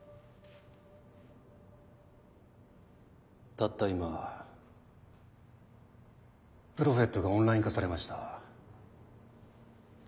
たった今プロフェットがオンライン化されました。